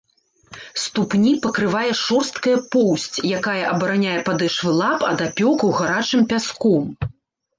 Ступні пакрывае шорсткая поўсць, якая абараняе падэшвы лап ад апёкаў гарачым пяском.